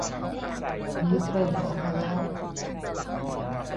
มีเทรนด์ออกมาแล้ว